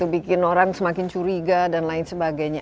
bikin orang semakin curiga dan lain sebagainya